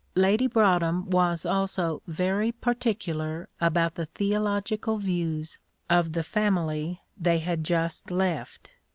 Lady Broadhem was also very particular about the theological views of the family they had just left.